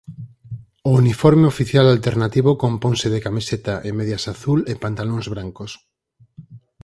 O uniforme oficial alternativo componse de camiseta e medias azul e pantalóns brancos.